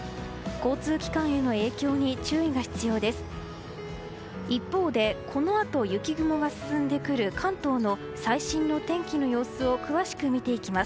交通機関への影響に注意が必要です。